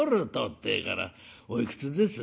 ってえから「おいくつです？」。